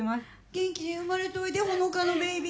元気で生まれておいでほのかのベイビー。